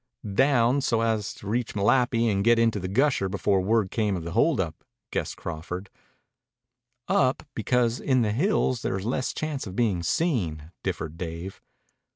"Down, so as to reach Malapi and get into the Gusher before word came of the hold up," guessed Crawford. "Up, because in the hills there's less chance of being seen," differed Dave.